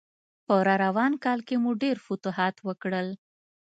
په راروان کال کې مو ډېر فتوحات وکړل.